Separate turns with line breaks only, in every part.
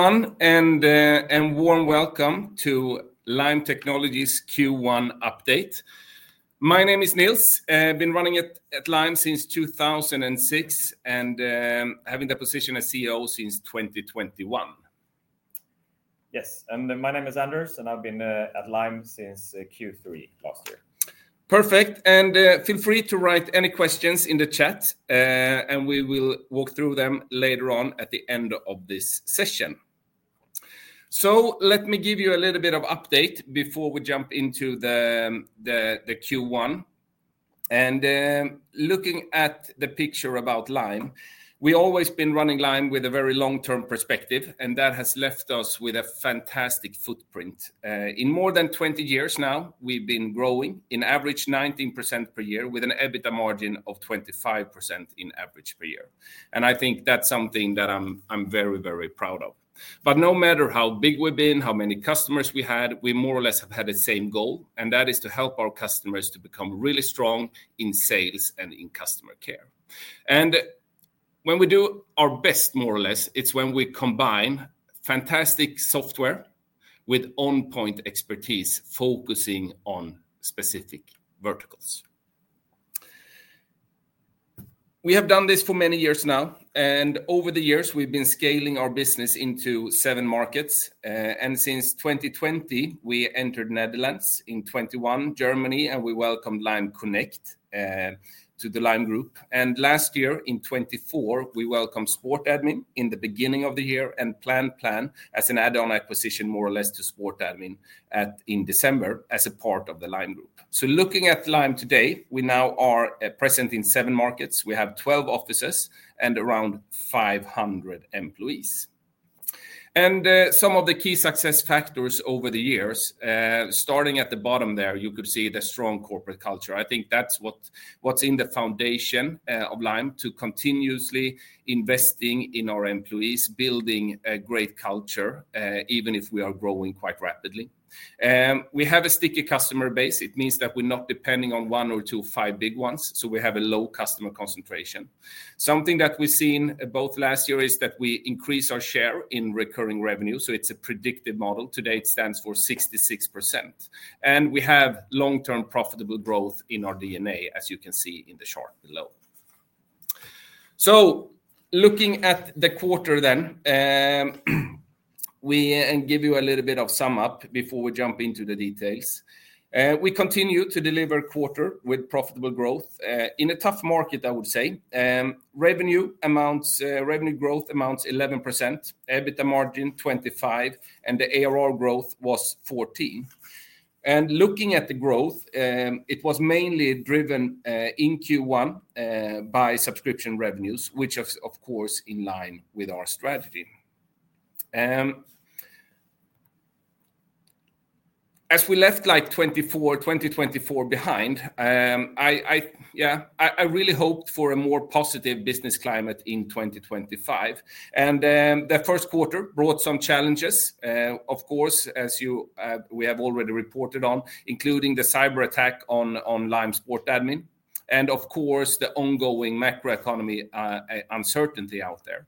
A warm welcome to Lime Technologies Q1 Update. My name is Nils. I've been running at Lime since 2006 and having the position as CEO since 2021.
Yes. My name is Anders, and I've been at Lime since Q3 last year.
Perfect. Feel free to write any questions in the chat, and we will walk through them later on at the end of this session. Let me give you a little bit of update before we jump into the Q1. Looking at the picture about Lime, we've always been running Lime with a very long-term perspective, and that has left us with a fantastic footprint. In more than 20 years now, we've been growing an average of 19% per year with an EBITDA margin of 25% in average per year. I think that's something that I'm very, very proud of. No matter how big we've been, how many customers we had, we more or less have had the same goal, and that is to help our customers to become really strong in sales and in customer care. When we do our best, more or less, it's when we combine fantastic software with on-point expertise focusing on specific verticals. We have done this for many years now, and over the years, we've been scaling our business into seven markets. Since 2020, we entered the Netherlands, in 2021, Germany, and we welcomed Lime Connect to the Lime Group. Last year, in 2024, we welcomed Sportadmin in the beginning of the year and Plan Plan as an add-on acquisition, more or less, to Sportadmin in December as a part of the Lime Group. Looking at Lime today, we now are present in seven markets. We have 12 offices and around 500 employees. Some of the key success factors over the years, starting at the bottom there, you could see the strong corporate culture. I think that's what's in the foundation of Lime to continuously investing in our employees, building a great culture, even if we are growing quite rapidly. We have a sticky customer base. It means that we're not depending on one or two or five big ones, so we have a low customer concentration. Something that we've seen both last year is that we increase our share in recurring revenue, so it's a predictive model. Today, it stands for 66%. We have long-term profitable growth in our DNA, as you can see in the chart below. Looking at the quarter then, and give you a little bit of a sum-up before we jump into the details, we continue to deliver quarter with profitable growth in a tough market, I would say. Revenue growth amounts to 11%, EBITDA margin 25%, and the ARR growth was 14%. Looking at the growth, it was mainly driven in Q1 by subscription revenues, which is, of course, in line with our strategy. As we left 2024 behind, yeah, I really hoped for a more positive business climate in 2025. The first quarter brought some challenges, of course, as we have already reported on, including the cyber attack on Sportadmin and, of course, the ongoing macroeconomic uncertainty out there.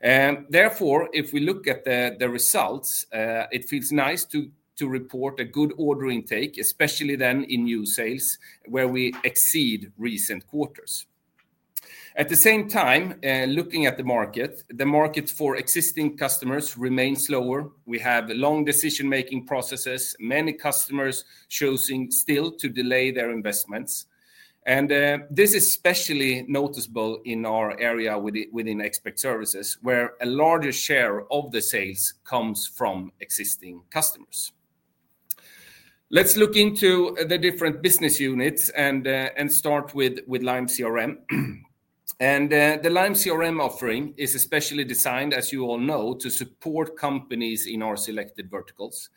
Therefore, if we look at the results, it feels nice to report a good order intake, especially then in new sales, where we exceed recent quarters. At the same time, looking at the market, the market for existing customers remains lower. We have long decision-making processes, many customers choosing still to delay their investments. This is especially noticeable in our area within Expert Services, where a larger share of the sales comes from existing customers. Let's look into the different business units and start with Lime CRM. The Lime CRM offering is especially designed, as you all know, to support companies in our selected verticals.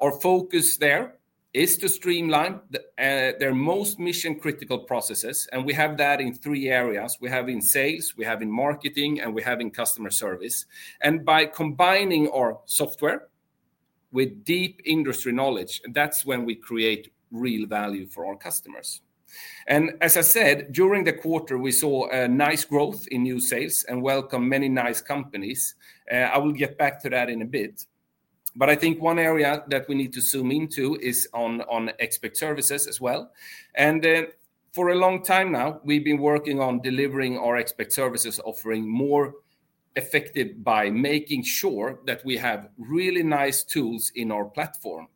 Our focus there is to streamline their most mission-critical processes, and we have that in three areas. We have in sales, we have in marketing, and we have in customer service. By combining our software with deep industry knowledge, that's when we create real value for our customers. As I said, during the quarter, we saw a nice growth in new sales and welcomed many nice companies. I will get back to that in a bit. I think one area that we need to zoom into is on Expert Services as well. For a long time now, we've been working on delivering our Expert Services offering more effectively by making sure that we have really nice tools in our platform.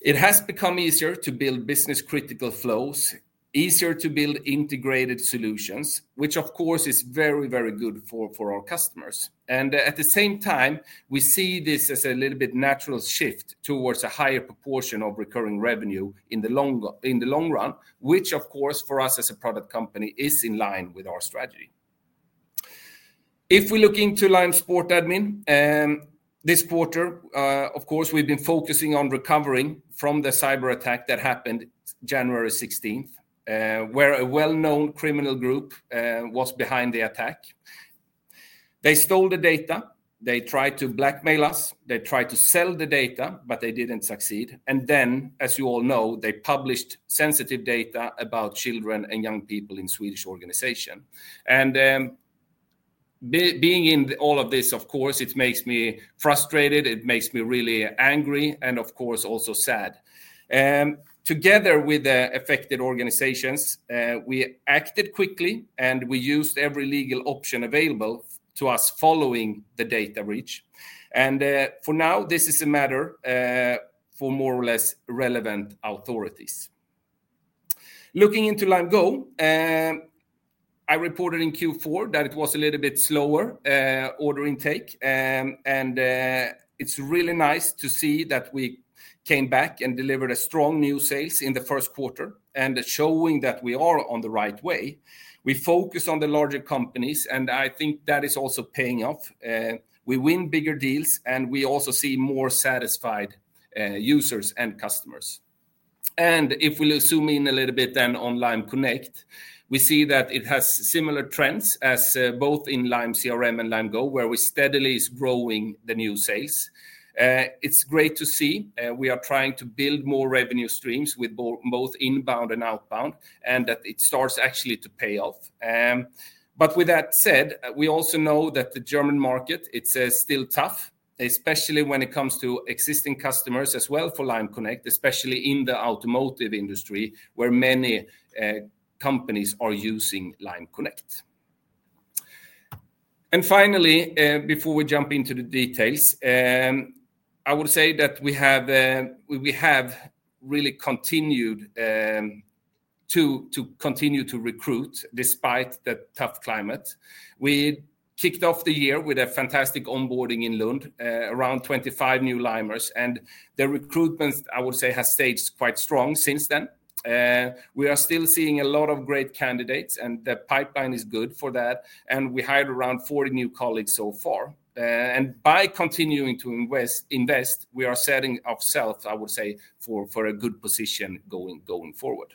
It has become easier to build business-critical flows, easier to build integrated solutions, which, of course, is very, very good for our customers. At the same time, we see this as a little bit of a natural shift towards a higher proportion of recurring revenue in the long run, which, of course, for us as a product company, is in line with our strategy. If we look into Lime Sportadmin this quarter, we've been focusing on recovering from the cyber attack that happened January 16, where a well-known criminal group was behind the attack. They stole the data. They tried to blackmail us. They tried to sell the data, but they didn't succeed. As you all know, they published sensitive data about children and young people in Swedish organizations. Being in all of this, of course, it makes me frustrated. It makes me really angry and, of course, also sad. Together with the affected organizations, we acted quickly, and we used every legal option available to us following the data breach. For now, this is a matter for more or less relevant authorities. Looking into Lime Go, I reported in Q4 that it was a little bit slower order intake. It is really nice to see that we came back and delivered strong new sales in the first quarter and showing that we are on the right way. We focus on the larger companies, and I think that is also paying off. We win bigger deals, and we also see more satisfied users and customers. If we zoom in a little bit then on Lime Connect, we see that it has similar trends as both in Lime CRM and Lime Go, where we steadily are growing the new sales. It's great to see we are trying to build more revenue streams with both inbound and outbound, and that it starts actually to pay off. With that said, we also know that the German market, it's still tough, especially when it comes to existing customers as well for Lime Connect, especially in the automotive industry, where many companies are using Lime Connect. Finally, before we jump into the details, I would say that we have really continued to continue to recruit despite the tough climate. We kicked off the year with a fantastic onboarding in Lund, around 25 new Limers. The recruitment, I would say, has staged quite strong since then. We are still seeing a lot of great candidates, and the pipeline is good for that. We hired around 40 new colleagues so far. By continuing to invest, we are setting ourselves, I would say, for a good position going forward.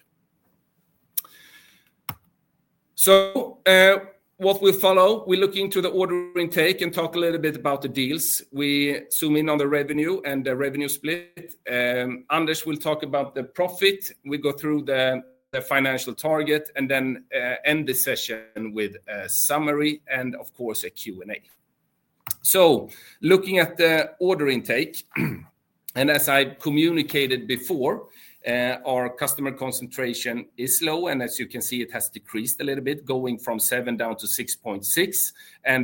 What will follow, we look into the order intake and talk a little bit about the deals. We zoom in on the revenue and the revenue split. Anders will talk about the profit. We go through the financial target and then end the session with a summary and, of course, a Q&A. Looking at the order intake, and as I communicated before, our customer concentration is low. As you can see, it has decreased a little bit, going from 7% down to 6.6%.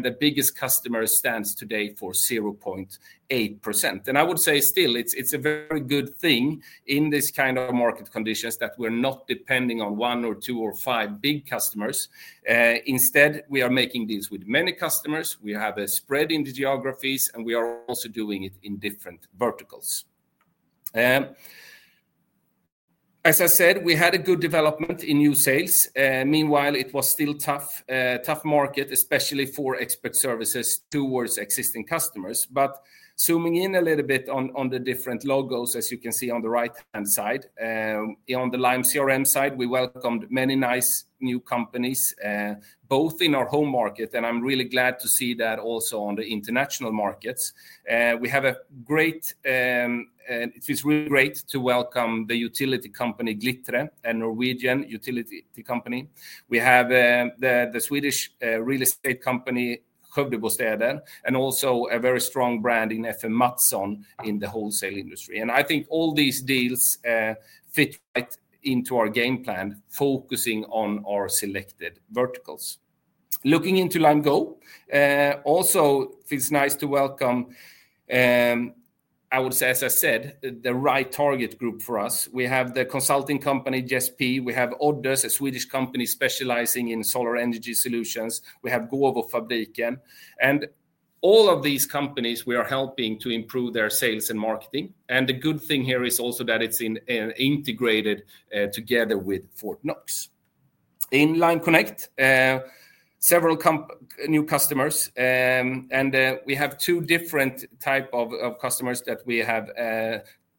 The biggest customer stands today for 0.8%. I would say still, it's a very good thing in this kind of market conditions that we're not depending on one or two or five big customers. Instead, we are making deals with many customers. We have a spread in the geographies, and we are also doing it in different verticals. As I said, we had a good development in new sales. Meanwhile, it was still a tough market, especially for Expert Services towards existing customers. Zooming in a little bit on the different logos, as you can see on the right-hand side, on the Lime CRM side, we welcomed many nice new companies, both in our home market, and I'm really glad to see that also on the international markets. We have a great--it's really great to welcome the utility company Glitre, a Norwegian utility company. We have the Swedish real estate company Högbostäder, and also a very strong branding FM Mattsson in the wholesale industry. I think all these deals fit right into our game plan, focusing on our selected verticals. Looking into Lime Go, also it feels nice to welcome, I would say, as I said, the right target group for us. We have the consulting company Jespi. We have Oddus, a Swedish company specializing in solar energy solutions. We have Gåvo Fabriken. All of these companies, we are helping to improve their sales and marketing. The good thing here is also that it's integrated together with Fortnox. In Lime Connect, several new customers, and we have two different types of customers that we have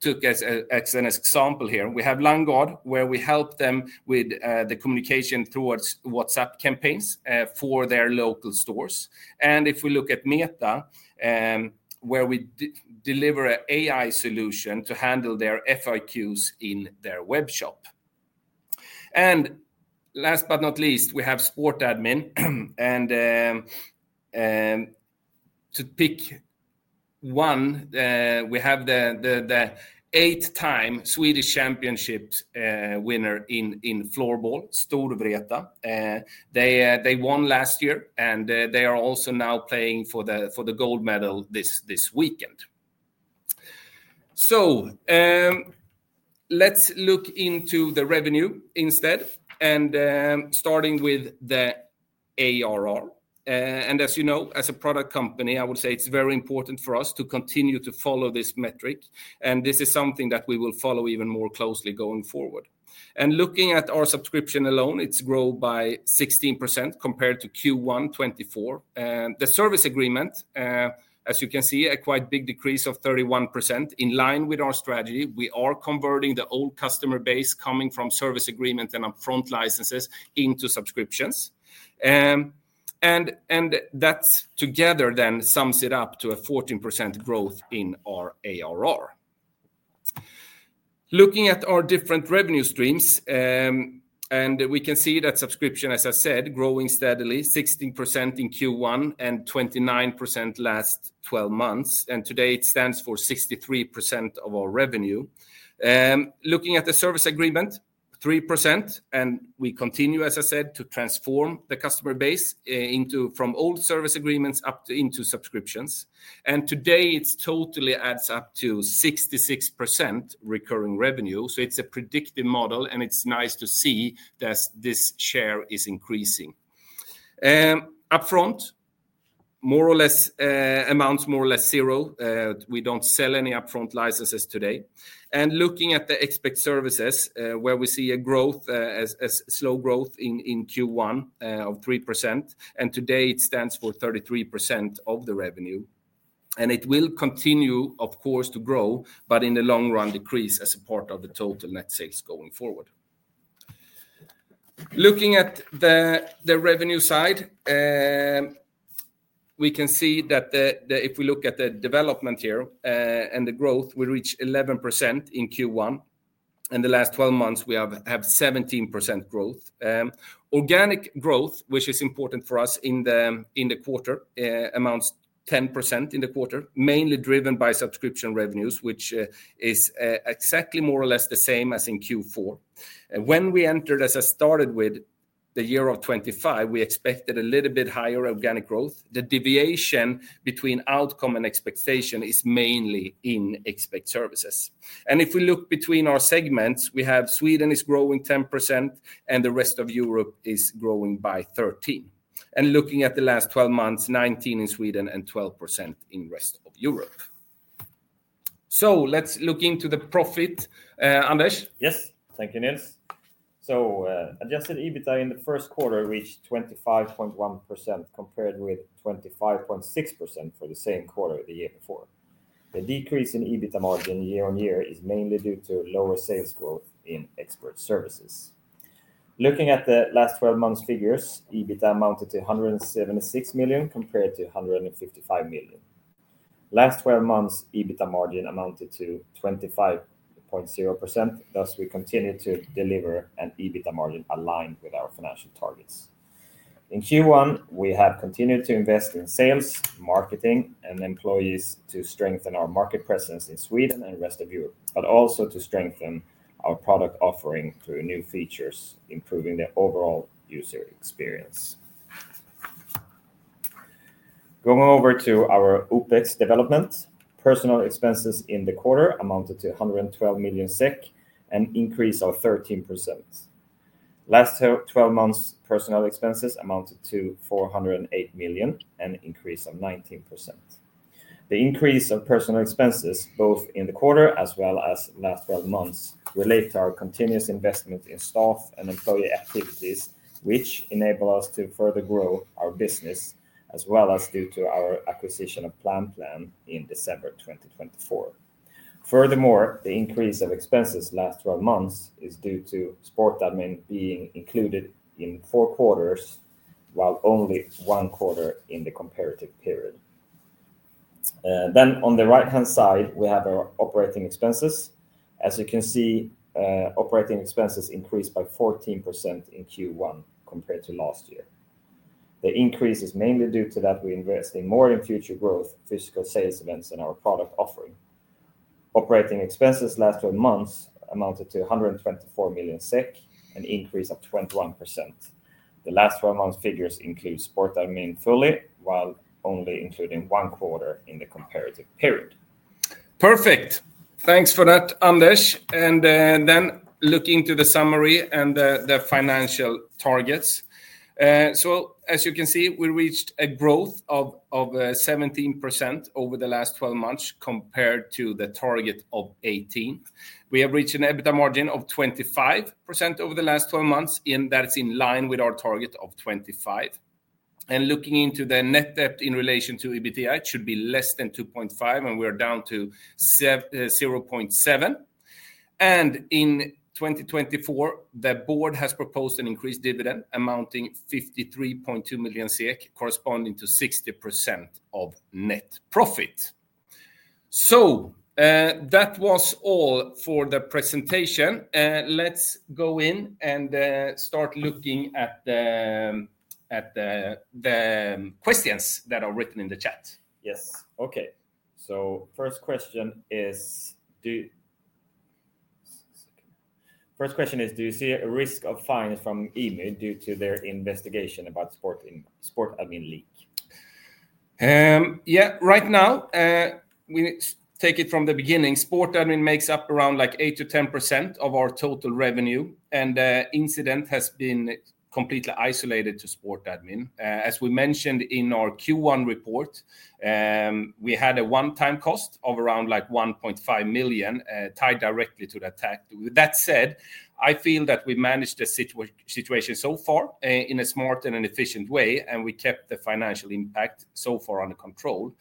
took as an example here. We have LimeGod, where we help them with the communication towards WhatsApp campaigns for their local stores. If we look at Meta, where we deliver an AI solution to handle their FAQs in their web shop. Last but not least, we have Sportadmin. To pick one, we have the eight-time Swedish championship winner in floorball, Storvreta. They won last year, and they are also now playing for the gold medal this weekend. Let's look into the revenue instead, starting with the ARR. As you know, as a product company, I would say it's very important for us to continue to follow this metric. This is something that we will follow even more closely going forward. Looking at our subscription alone, it's grown by 16% compared to Q1 2024. The service agreement, as you can see, a quite big decrease of 31% in line with our strategy. We are converting the old customer base coming from service agreements and upfront licenses into subscriptions. That together then sums it up to a 14% growth in our ARR. Looking at our different revenue streams, we can see that subscription, as I said, growing steadily, 16% in Q1 and 29% last 12 months. Today, it stands for 63% of our revenue. Looking at the service agreement, 3%. We continue, as I said, to transform the customer base from old service agreements up into subscriptions. Today, it totally adds up to 66% recurring revenue. It is a predictive model, and it is nice to see that this share is increasing. Upfront, more or less amounts more or less zero. We do not sell any upfront licenses today. Looking at the Expert Services, where we see a growth, a slow growth in Q1 of 3%. Today, it stands for 33% of the revenue. It will continue, of course, to grow, but in the long run, decrease as a part of the total net sales going forward. Looking at the revenue side, we can see that if we look at the development here and the growth, we reached 11% in Q1. In the last 12 months, we have 17% growth. Organic growth, which is important for us in the quarter, amounts to 10% in the quarter, mainly driven by subscription revenues, which is exactly more or less the same as in Q4. When we entered, as I started with the year of 2025, we expected a little bit higher organic growth. The deviation between outcome and expectation is mainly in Expert Services. If we look between our segments, we have Sweden is growing 10%, and the rest of Europe is growing by 13%. Looking at the last 12 months, 19% in Sweden and 12% in the rest of Europe. Let's look into the profit, Anders.
Yes, thank you, Nils. Adjusted EBITDA in the first quarter reached 25.1% compared with 25.6% for the same quarter the year before. The decrease in EBITDA margin year on year is mainly due to lower sales growth in Expert Services. Looking at the last 12 months' figures, EBITDA amounted to 176 million compared to 155 million. Last 12 months, EBITDA margin amounted to 25.0%. Thus, we continue to deliver an EBITDA margin aligned with our financial targets. In Q1, we have continued to invest in sales, marketing, and employees to strengthen our market presence in Sweden and the rest of Europe, but also to strengthen our product offering through new features, improving the overall user experience. Going over to our OpEx development, personnel expenses in the quarter amounted to 112 million SEK and increased 13%. Last 12 months, personnel expenses amounted to 408 million and increased 19%. The increase of personnel expenses, both in the quarter as well as last 12 months, relates to our continuous investment in staff and employee activities, which enables us to further grow our business, as well as due to our acquisition of Plan Plan in December 2024. Furthermore, the increase of expenses last 12 months is due to Sportadmin being included in four quarters, while only one quarter in the comparative period. On the right-hand side, we have our operating expenses. As you can see, operating expenses increased by 14% in Q1 compared to last year. The increase is mainly due to that we invested more in future growth, physical sales events, and our product offering. Operating expenses last 12 months amounted to 124 million SEK, an increase of 21%. The last 12 months' figures include Sportadmin fully, while only including one quarter in the comparative period.
Perfect. Thanks for that, Anders. Looking to the summary and the financial targets. As you can see, we reached a growth of 17% over the last 12 months compared to the target of 18%. We have reached an EBITDA margin of 25% over the last 12 months, and that's in line with our target of 25%. Looking into the net debt in relation to EBITDA, it should be less than 2.5%, and we're down to 0.7%. In 2024, the board has proposed an increased dividend amounting to 53.2 million SEK, corresponding to 60% of net profit. That was all for the presentation. Let's go in and start looking at the questions that are written in the chat.
Yes. Okay. First question is, do you see a risk of fines from IMY due to their investigation about Sportadmin leak?
Yeah, right now, we take it from the beginning. Sportadmin makes up around 8%-10% of our total revenue, and the incident has been completely isolated to Sportadmin. As we mentioned in our Q1 report, we had a one-time cost of around 1.5 million tied directly to that attack. That said, I feel that we managed the situation so far in a smart and an efficient way, and we kept the financial impact so far under control.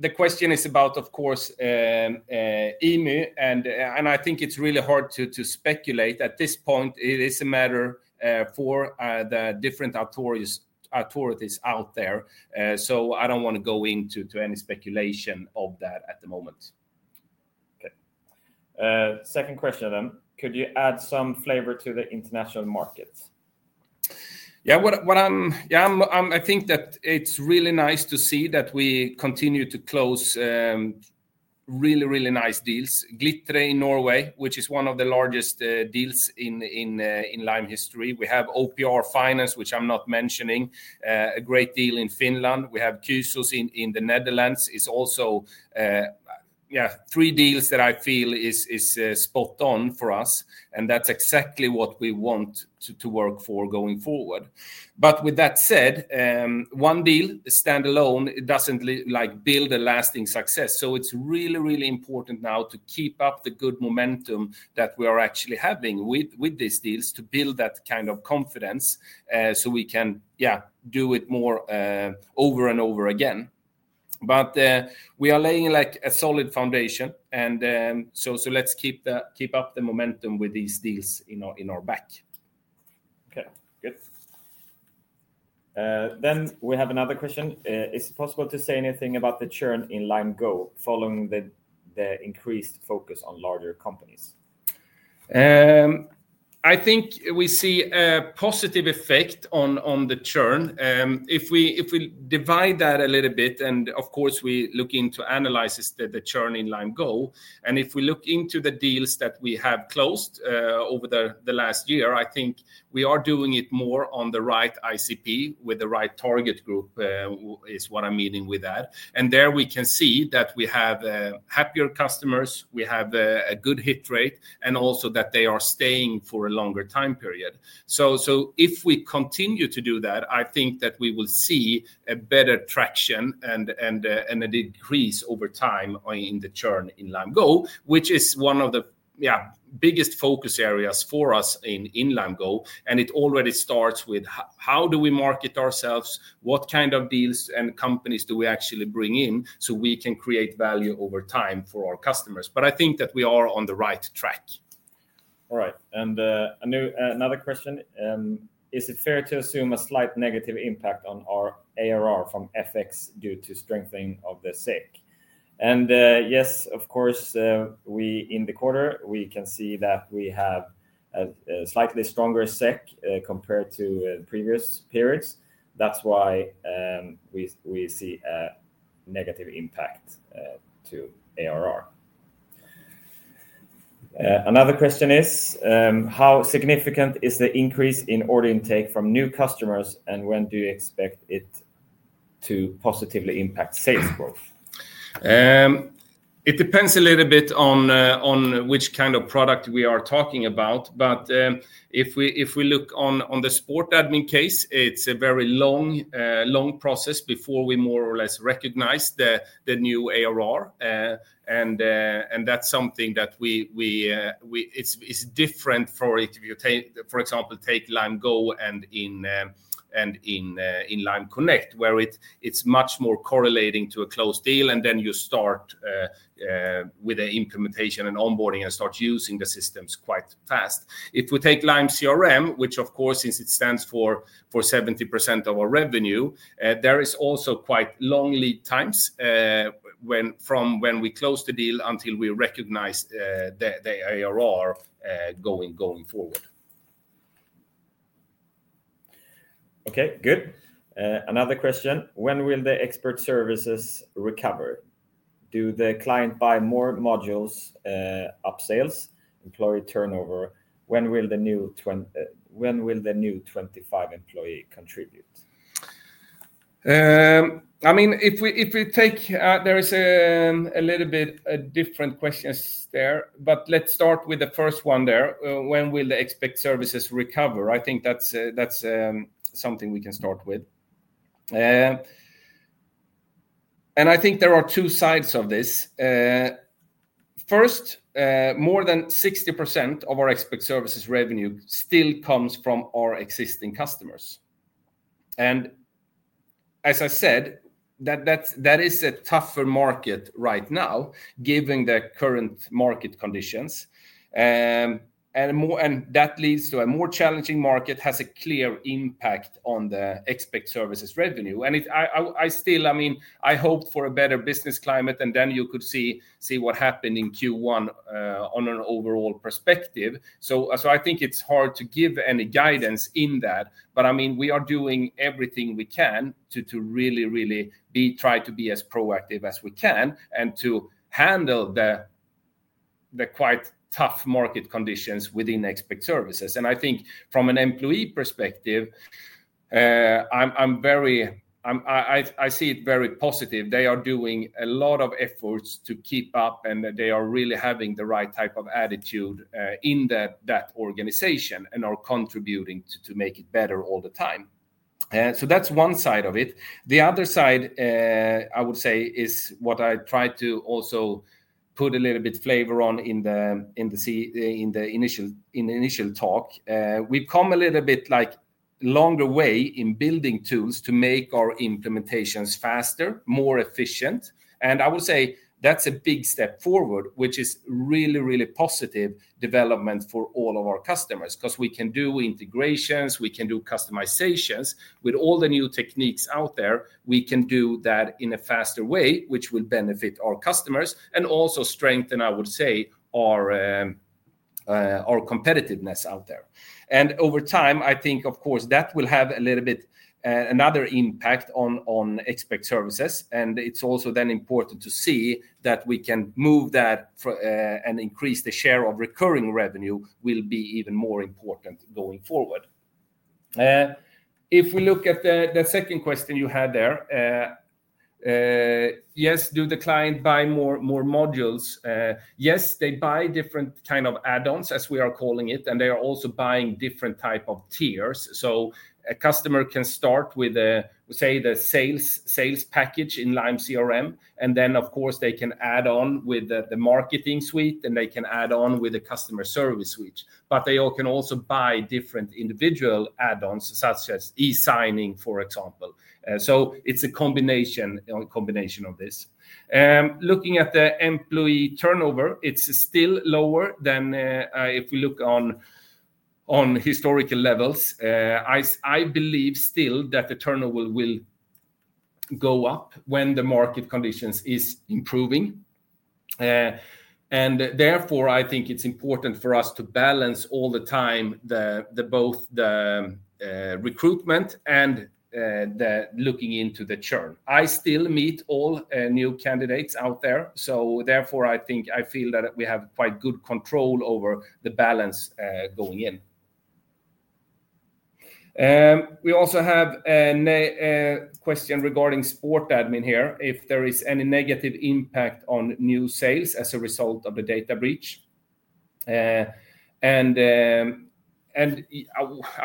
The question is about, of course, IMY, and I think it's really hard to speculate. At this point, it is a matter for the different authorities out there. I do not want to go into any speculation of that at the moment. Second question then, could you add some flavor to the international market? Yeah, I think that it is really nice to see that we continue to close really, really nice deals. Glitre in Norway, which is one of the largest deals in Lime history. We have OPR Finance, which I am not mentioning, a great deal in Finland. We have Kysos in the Netherlands. It is also, yeah, three deals that I feel is spot on for us. That is exactly what we want to work for going forward. With that said, one deal standalone does not build a lasting success. It is really, really important now to keep up the good momentum that we are actually having with these deals to build that kind of confidence so we can, yeah, do it more over and over again. We are laying like a solid foundation. Let's keep up the momentum with these deals in our back.
Okay, good. We have another question. Is it possible to say anything about the churn in Lime Go following the increased focus on larger companies?
I think we see a positive effect on the churn. If we divide that a little bit, and of course, we look into analysis of the churn in Lime Go. If we look into the deals that we have closed over the last year, I think we are doing it more on the right ICP with the right target group is what I'm meaning with that. There we can see that we have happier customers, we have a good hit rate, and also that they are staying for a longer time period. If we continue to do that, I think that we will see better traction and a decrease over time in the churn in Lime Go, which is one of the biggest focus areas for us in Lime Go. It already starts with how do we market ourselves, what kind of deals and companies do we actually bring in so we can create value over time for our customers. I think that we are on the right track.
All right. Another question, is it fair to assume a slight negative impact on our ARR from FX due to strengthening of the SEK? Yes, of course, in the quarter, we can see that we have a slightly stronger SEK compared to previous periods. That is why we see a negative impact to ARR. Another question is, how significant is the increase in order intake from new customers, and when do you expect it to positively impact sales growth?
It depends a little bit on which kind of product we are talking about. If we look on the Sportadmin case, it is a very long process before we more or less recognize the new ARR. That is something that is different for, for example, take Lime Go and in Lime Connect, where it is much more correlating to a closed deal, and then you start with an implementation and onboarding and start using the systems quite fast. If we take Lime CRM, which of course, since it stands for 70% of our revenue, there is also quite long lead times from when we close the deal until we recognize the ARR going forward.
Okay, good. Another question, when will the Expert Services recover? Do the client buy more modules, upsales, employee turnover? When will the new 25 employees contribute?
I mean, if we take, there is a little bit different questions there, but let's start with the first one there. When will the Expert Services recover? I think that's something we can start with. I think there are two sides of this. First, more than 60% of our Expert Services revenue still comes from our existing customers. As I said, that is a tougher market right now, given the current market conditions. That leads to a more challenging market, has a clear impact on the Expert Services revenue. I still, I mean, I hope for a better business climate, and then you could see what happened in Q1 on an overall perspective. I think it's hard to give any guidance in that. I mean, we are doing everything we can to really, really try to be as proactive as we can and to handle the quite tough market conditions within Expert Services. I think from an employee perspective, I see it very positive. They are doing a lot of efforts to keep up, and they are really having the right type of attitude in that organization and are contributing to make it better all the time. That's one side of it. The other side, I would say, is what I tried to also put a little bit of flavor on in the initial talk. We've come a little bit like longer way in building tools to make our implementations faster, more efficient. I will say that's a big step forward, which is really, really positive development for all of our customers because we can do integrations, we can do customizations. With all the new techniques out there, we can do that in a faster way, which will benefit our customers and also strengthen, I would say, our competitiveness out there. Over time, I think, of course, that will have a little bit another impact on Expert Services. It is also then important to see that we can move that and increase the share of recurring revenue will be even more important going forward. If we look at the second question you had there, yes, do the client buy more modules? Yes, they buy different kinds of add-ons, as we are calling it, and they are also buying different types of tiers. A customer can start with, say, the sales package in Lime CRM, and then, of course, they can add on with the marketing suite, and they can add on with the customer service suite. They can also buy different individual add-ons, such as e-signing, for example. It is a combination of this. Looking at the employee turnover, it is still lower than if we look on historical levels. I believe still that the turnover will go up when the market conditions are improving. I think it is important for us to balance all the time both the recruitment and looking into the churn. I still meet all new candidates out there. Therefore, I think I feel that we have quite good control over the balance going in. We also have a question regarding Sportadmin here, if there is any negative impact on new sales as a result of the data breach. I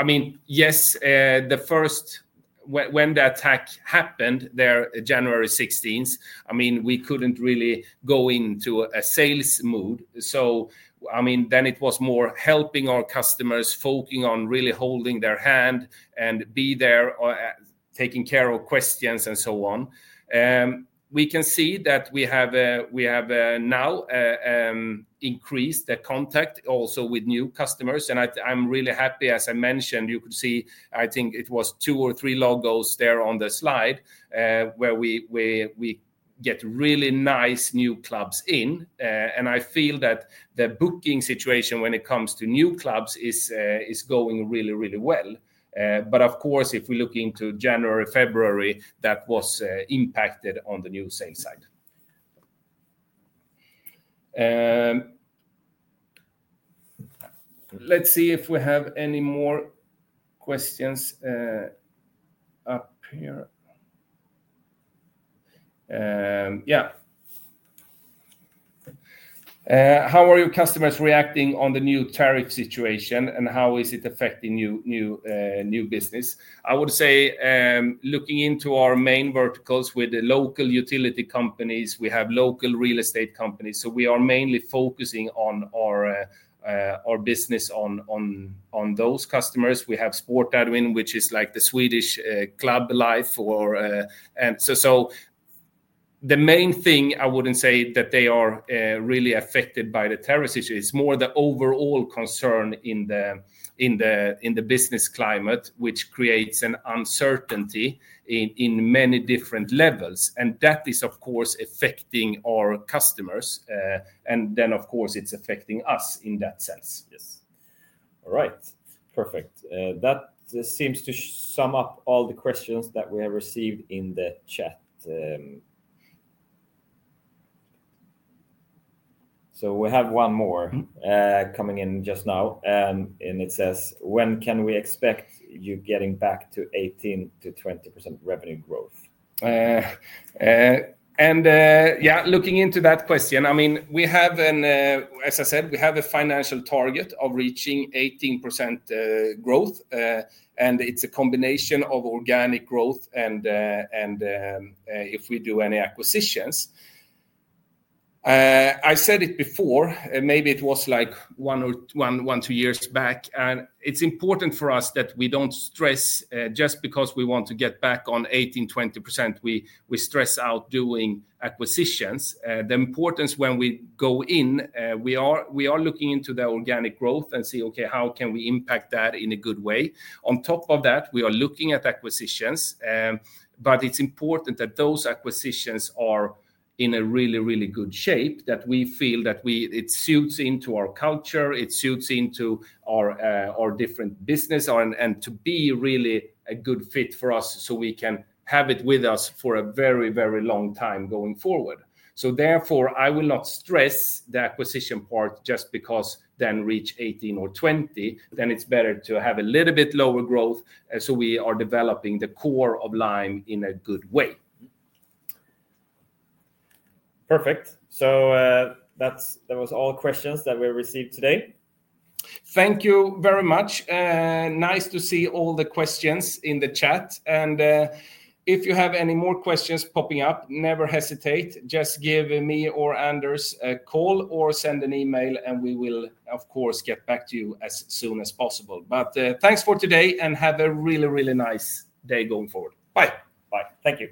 mean, yes, when the attack happened there on January 16, I mean, we couldn't really go into a sales mood. I mean, then it was more helping our customers, focusing on really holding their hand and be there, taking care of questions and so on. We can see that we have now increased the contact also with new customers. I'm really happy, as I mentioned, you could see, I think it was two or three logos there on the slide where we get really nice new clubs in. I feel that the booking situation when it comes to new clubs is going really, really well. Of course, if we look into January, February, that was impacted on the new sales side. Let's see if we have any more questions up here. Yeah. How are your customers reacting on the new tariff situation, and how is it affecting new business? I would say looking into our main verticals with the local utility companies, we have local real estate companies. We are mainly focusing on our business on those customers. We have Sportadmin, which is like the Swedish club life for. The main thing, I wouldn't say that they are really affected by the tariff issue. It's more the overall concern in the business climate, which creates an uncertainty in many different levels. That is, of course, affecting our customers. Of course, it's affecting us in that sense.
Yes. All right. Perfect. That seems to sum up all the questions that we have received in the chat. We have one more coming in just now. It says, when can we expect you getting back to 18%-20% revenue growth?
Looking into that question, I mean, we have, as I said, we have a financial target of reaching 18% growth. It's a combination of organic growth and if we do any acquisitions. I said it before, maybe it was like one or two years back. It's important for us that we don't stress just because we want to get back on 18%-20%, we stress out doing acquisitions. The importance when we go in, we are looking into the organic growth and see, okay, how can we impact that in a good way? On top of that, we are looking at acquisitions. It is important that those acquisitions are in a really, really good shape, that we feel that it suits into our culture, it suits into our different business, and to be really a good fit for us so we can have it with us for a very, very long time going forward. Therefore, I will not stress the acquisition part just because. Reach 18% or 20%, it is better to have a little bit lower growth. We are developing the core of Lime in a good way. Perfect. That was all questions that we received today. Thank you very much. Nice to see all the questions in the chat. If you have any more questions popping up, never hesitate. Just give me or Anders a call or send an email, and we will, of course, get back to you as soon as possible. Thanks for today and have a really, really nice day going forward. Bye. Bye. Thank you.